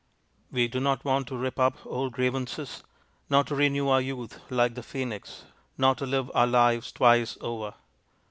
We do not want to rip up old grievances, nor to renew our youth like the phoenix, nor to live our lives twice over.